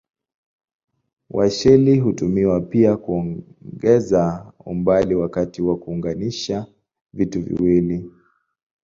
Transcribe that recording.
Washeli hutumiwa pia kuongeza umbali wakati wa kuunganisha vitu viwili.